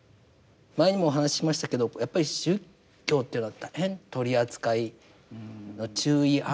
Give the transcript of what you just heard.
前にもお話ししましたけどやっぱり宗教っていうのは大変取り扱いの注意案件です。